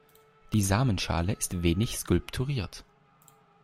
Die Samenschale ist wenig skulpturiert.